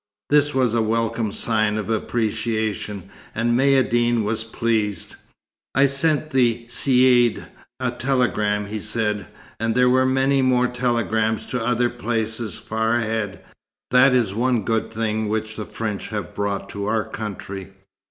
This was a welcome sign of appreciation, and Maïeddine was pleased. "I sent the Caïd a telegram," he said. "And there were many more telegrams to other places, far ahead. That is one good thing which the French have brought to our country.